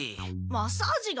マッサージが？